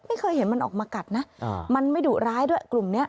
ไม่เคยเห็นมันออกมากัดนะมันไม่ดุร้ายด้วยกลุ่มนี้